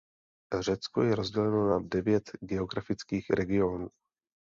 Řecko je rozděleno na devět geografických regionů.